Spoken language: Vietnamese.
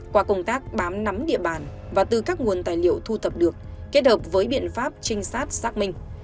qua công tác bám nắm địa bàn và từ các nguồn tài liệu thu thập được kết hợp với biện pháp trinh sát xác minh